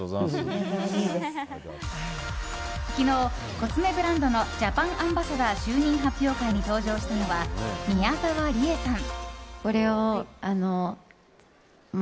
昨日、コスメブランドのジャパンアンバサダー就任発表会に登場したのは宮沢りえさん。